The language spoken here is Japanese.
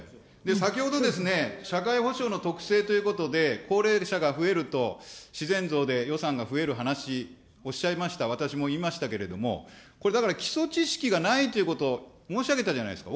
先ほどですね、社会保障の特性ということで、高齢者が増えると自然増で予算が増える話おっしゃいました、私も言いましたけれども、これ、だから基礎知識がないということを申し上げたじゃないですか。